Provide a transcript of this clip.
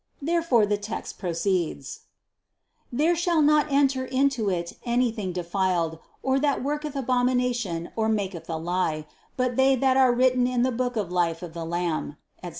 There fore the text proceeds: 309. "There shall not enter into it anything defiled, or that worketh abomination or maketh a lie, but they that are written in the book of life of the Lamb," etc.